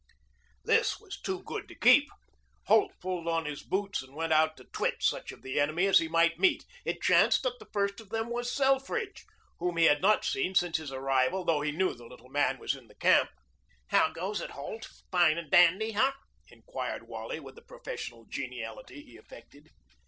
This was too good to keep. Holt pulled on his boots and went out to twit such of the enemy as he might meet. It chanced that the first of them was Selfridge, whom he had not seen since his arrival, though he knew the little man was in camp. "How goes it, Holt? Fine and dandy, eh?" inquired Wally with the professional geniality he affected.